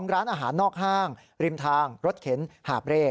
ร้านอาหารนอกห้างริมทางรถเข็นหาบเร่